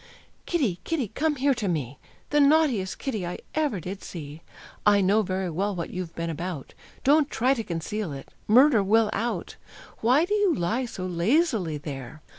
"Kitty, Kitty, come here to me, The naughtiest Kitty I ever did see! I know very well what you've been about; Don't try to conceal it, murder will out. Why do you lie so lazily there?"